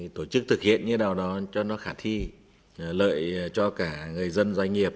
tổ chức thực hiện như thế nào đó cho nó khả thi lợi cho cả người dân doanh nghiệp